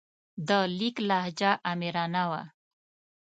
د لیک لهجه آمرانه وه.